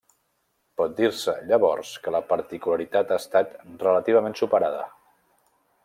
Pot dir-se, llavors, que la particularitat ha estat relativament superada.